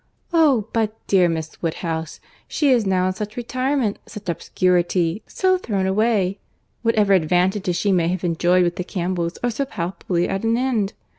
"Oh! but dear Miss Woodhouse, she is now in such retirement, such obscurity, so thrown away.—Whatever advantages she may have enjoyed with the Campbells are so palpably at an end!